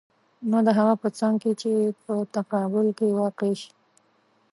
نه د هغه په څنګ کې چې په تقابل کې واقع شي.